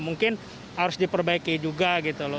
mungkin harus diperbaiki juga gitu loh